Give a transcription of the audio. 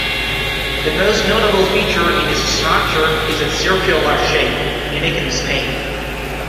The most notable feature in its structure is its circular shape, unique in Spain.